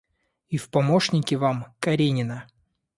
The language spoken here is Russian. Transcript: И в помощники вам — Каренина.